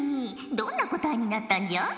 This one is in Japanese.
どんな答えになったんじゃ？